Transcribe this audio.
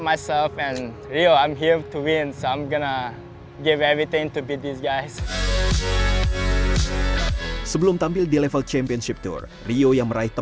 dan saya harap lebih banyak orang indonesia berjalan ke tur